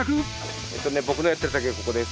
僕のやってる畑はここです。